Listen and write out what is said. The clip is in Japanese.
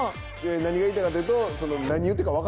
何が言いたいのかっていうと。